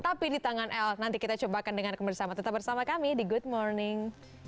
tapi di tangan el nanti kita coba akan dengar bersama tetap bersama kami di good morning